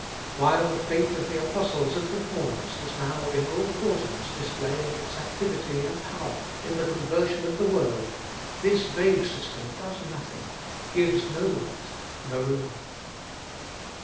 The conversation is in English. While the faith of the Apostles and Reformers is now in all quarters displaying its activity and power in the conversion of the world, this vague system does nothing, gives no light, no life.